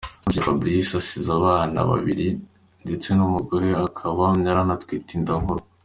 Nkurikiye Fabrice asize abana babiri ndetse umugore we akaba yari anatwite inda nkuru.